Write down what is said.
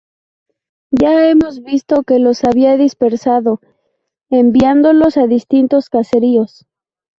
Ya hemos visto que los había dispersado, enviándolos a distintos caseríos.